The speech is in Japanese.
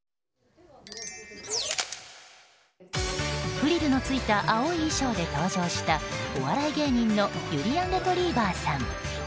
フリルのついた青い衣装で登場したお笑い芸人のゆりやんレトリィバァさん。